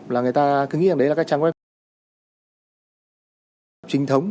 là người ta cứ nghĩ là đấy là cái trang web trinh thống